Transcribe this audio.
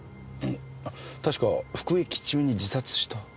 確か服役中に自殺した。